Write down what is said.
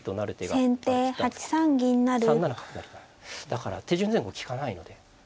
だから手順前後利かないので。